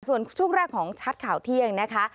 ส่วนช่วงแรกของชัดข่าวเที่ยงนะคะ